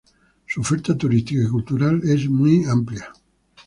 Su oferta turística y cultural es muy amplia.